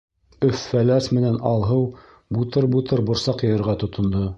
Өф-Фәләс менән Алһыу бутыр-бутыр борсаҡ йыйырға тотондо.